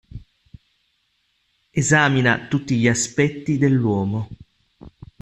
Esamina tutti gli aspetti dell'uomo.